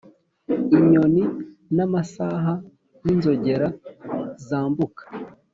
inyoni n'amasaha n'inzogera zambuka